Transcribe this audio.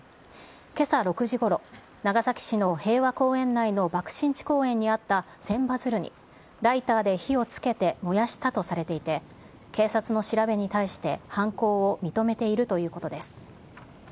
けさ６時ごろ、長崎市の平和公園内の爆心地公園にあった千羽鶴にライターで火をつけて燃やしたとされていて、警察の調べに対して、犯行を認めているということです。